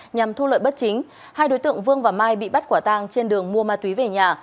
nhằm thu lợi bất chính hai đối tượng vương và mai bị bắt quả tang trên đường mua ma túy về nhà